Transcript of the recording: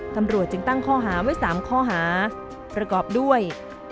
ตำรวจจึงตั้งข้อหาไว้๓ข้อหาประกอบด้วย